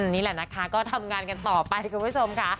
นี่แหละนะคะก็ทำงานกันต่อไปคุณผู้ชมค่ะ